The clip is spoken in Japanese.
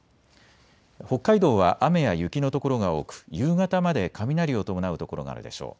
北海道は雨や雪の所が多く夕方まで雷を伴う所があるでしょう。